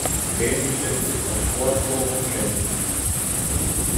Trainingsstätte ist das Sportforum Chemnitz.